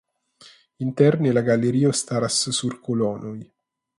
Interne la galerio staras sur kolonoj.